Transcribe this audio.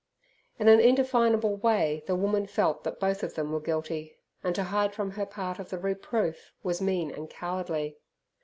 In an indefinable way the woman felt that both of them were guilty, and to hide from her part of the reproof was mean and cowardly.